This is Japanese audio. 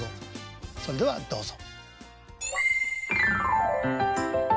それではどうぞ。